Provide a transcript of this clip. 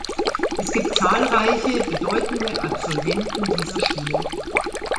Es gibt zahlreiche bedeutende Absolventen dieser Schule.